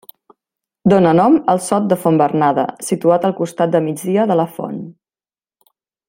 Dóna nom al Sot de Font Bernada, situat al costat de migdia de la font.